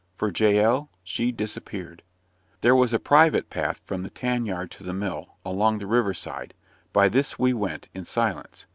For Jael, she disappeared. There was a private path from the tan yard to the mill, along the river side; by this we went, in silence.